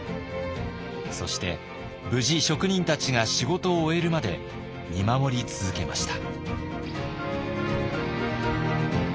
そして無事職人たちが仕事を終えるまで見守り続けました。